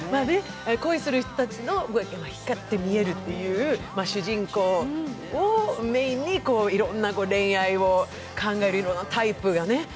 恋する人たちが光って見えるという主人公をメーンにいろんな恋愛をいろいろ考える、いろんなタイプがね。